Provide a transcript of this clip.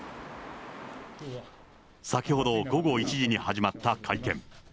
先ほど午後１時に始まった会見。